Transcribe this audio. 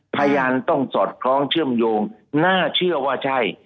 พยานต้องสอดคล้องเชื่อมโยงน่าเชื่อว่าใช่